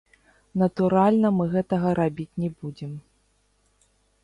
Натуральна, мы гэтага рабіць не будзем.